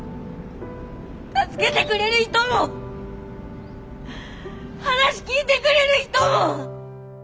助けてくれる人も話聞いてくれる人も！